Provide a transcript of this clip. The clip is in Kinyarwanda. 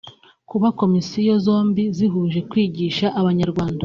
Kuba komisiyo zombi zihuje kwigisha abanyarwanda